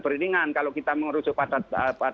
beriringan kalau kita mengerucuk pada